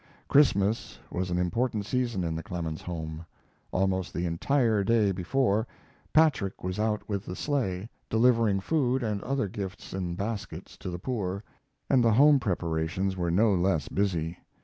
Christmas was an important season in the Clemens home. Almost the entire day before, Patrick was out with the sleigh, delivering food and other gifts in baskets to the poor, and the home preparations were no less busy.